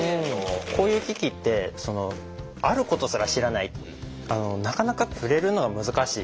こういう機器ってあることすら知らないなかなか触れるのが難しい。